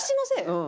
うん。